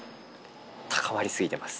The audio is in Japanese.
高まりすぎてます。